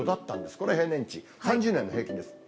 これ平均、３０年の平均です。